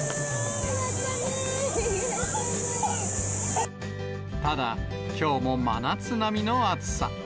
やったただ、きょうも真夏並みの暑さ。